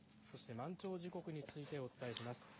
そして満潮時刻についてお伝えします。